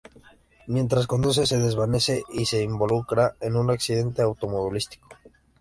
Mientras conduce, se desvanece y se ve involucrada en un accidente automovilístico.